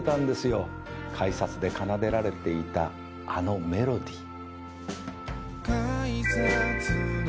改札で奏でられていたあのメロディー。